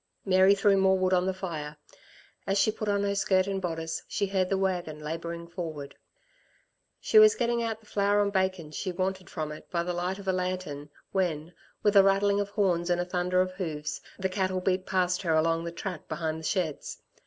Mary threw more wood on the fire. As she put on her skirt and bodice, she heard the wagon labouring, forward. She was out getting the flour and bacon she wanted from it by the light of a lantern, when, with a rattling of horns and a thunder of hoofs, the cattle beat past her along the track behind the sheds.